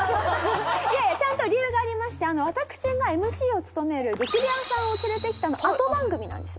いやいやちゃんと理由がありまして私がＭＣを務める『激レアさんを連れてきた。』の後番組なんですよ。